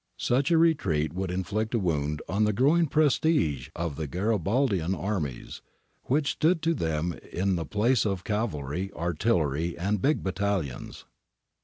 Such a retreat would inflict a wound on the growing prestige of the Garibaldian armies, which stood to them in the place of cavalry, artillery, and big battalions.